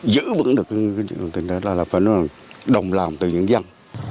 giữ vững được tình hình đó là phải đồng làm từ những dân